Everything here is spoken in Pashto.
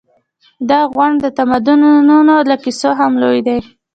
دا غونډ د تمدنونو له کیسو هم لوی دی.